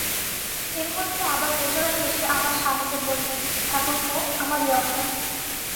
এর মধ্যে আবার মেজোরানী এসে আমার স্বামীকে বললেন, ঠাকুরপো, আমারই অপরাধ।